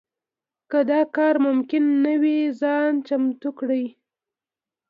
که دا کار ممکن نه وي ځان چمتو کړي.